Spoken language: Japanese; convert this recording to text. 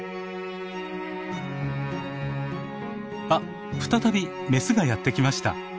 あっ再びメスがやって来ました。